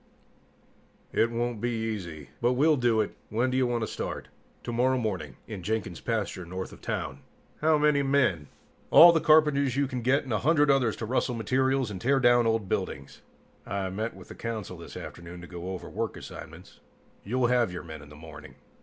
"It won't be easy, but we'll do it. When do you want to start?" "Tomorrow morning. In Jenkin's pasture, north of town." "How many men?" "All the carpenters you can get and a hundred others to rustle materials and tear down old buildings." "I meet with the Council this afternoon to go over work assignments. You'll have your men in the morning."